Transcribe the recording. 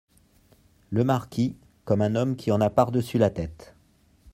Le Marquis , comme un homme qui en a par-dessus la tête.